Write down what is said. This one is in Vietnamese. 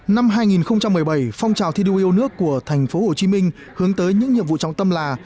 năm hai nghìn một mươi bảy phong trào thi đua yêu nước của tp hcm hướng tới những nhiệm vụ trọng tâm là